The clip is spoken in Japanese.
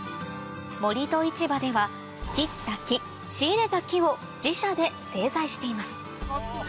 「森と市庭」では切った木仕入れた木を自社で製材しています